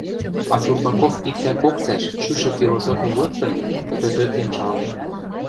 А Турбаков иктӓ кок цӓш, шӱшӹ философим лыктын, тӧтӧтлен шалген.